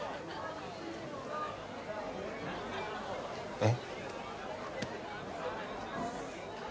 えっ？